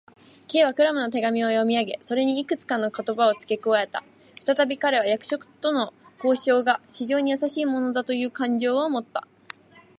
Ｋ はクラムの手紙を読みあげ、それにいくつかの言葉をつけ加えた。ふたたび彼は、役所との交渉が非常にやさしいものなのだという感情をもった。